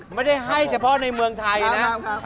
ไม่ได้ให้เฉพาะในเมืองไทยนะ